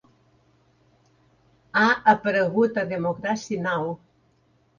Ha aparegut a Democracy Now!